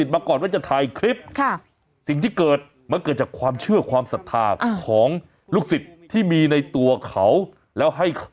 ฮ่าฮ่าฮ่าฮ่าฮ่าฮ่าฮ่าฮ่าฮ่าฮ่าฮ่าฮ่าฮ่าฮ่า